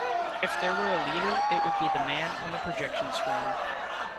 If there were a leader, it would be the man on the projection screen.